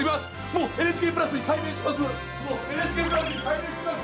もうＮＨＫプラスに改名しました！